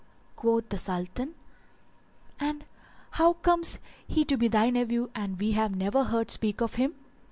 Quoth the Sultan, "And how comes he to be thy nephew and we have never heard speak of him?"